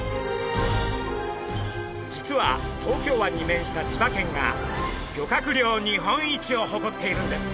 実は東京湾に面した千葉県が漁獲量日本一をほこっているんです。